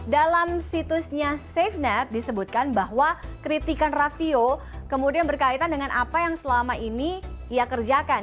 dalam situsnya safenet disebutkan bahwa kritikan rafio kemudian berkaitan dengan apa yang selama ini ia kerjakan